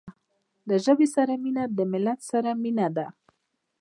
له ژبې سره مینه د ملت سره مینه ده.